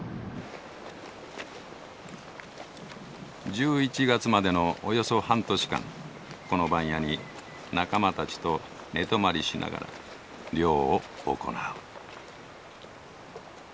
１１月までのおよそ半年間この番屋に仲間たちと寝泊りしながら漁を行う。